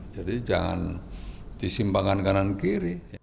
jadi jangan disimbangan kanan kiri